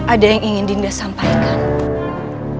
ada yang ingin dinda sampaikan